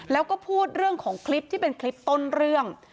แล้วก็พูดเรื่องของคลิปที่เป็นคลิปต้นเรื่อง